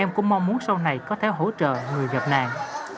em cũng mong muốn sau này có thể hỗ trợ người gặp nạn